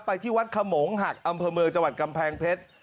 ที่วัดขมงหักอำเภอเมืองจังหวัดกำแพงเพชร